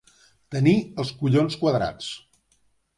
Tenir els collons quadrats.